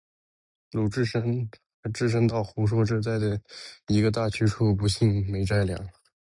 智深道：“胡说，这等一个大去处，不信没斋粮。